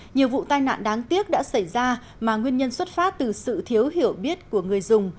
nhiều vụ tai nạn đáng tiếc đã xảy ra mà nguyên nhân xuất phát từ sự thiếu hiểu biết của người dùng